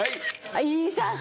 いい写真！